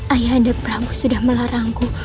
ayah anda pramu sudah melarangku